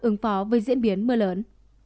ứng phó với diễn biến mưa lớn